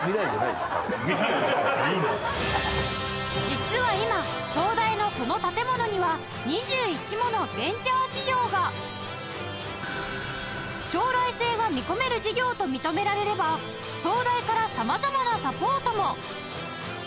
実は今東大のこの建物には将来性が見込める事業と認められれば東大から様々なサポートも！